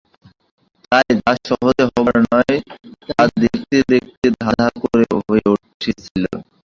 তাই যা সহজে হবার নয় তা দেখতে দেখতে ধাঁ ধাঁ করে হয়ে উঠছিল।